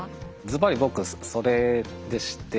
ずばり僕それでして。